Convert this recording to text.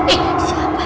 eh siapa ya